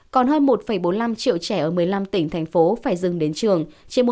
còn hơn một bốn mươi năm triệu trẻ ở một mươi năm tỉnh thành phố phải dừng đến trường